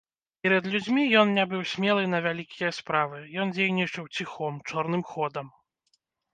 Перад людзьмі ён не быў смелы на вялікія справы, ён дзейнічаў ціхом, чорным ходам.